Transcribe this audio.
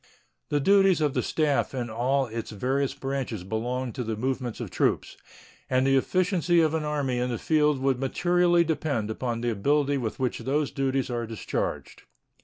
The duties of the staff in all its various branches belong to the movements of troops, and the efficiency of an army in the field would materially depend upon the ability with which those duties are discharged.